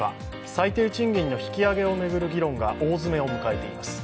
最低賃金の引き上げを巡る議論が、大詰めを迎えています。